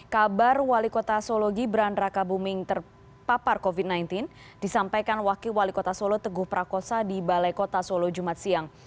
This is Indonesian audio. kabar wali kota solo gibran raka buming terpapar covid sembilan belas disampaikan wakil wali kota solo teguh prakosa di balai kota solo jumat siang